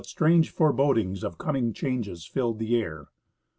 strange forebodings of coming changes filled the air.